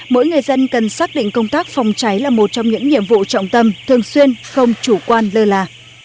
mỗi người dân cần xác định công tác phòng cháy là một trong những nhiệm vụ trọng tâm thường xuyên không chủ quan lơ là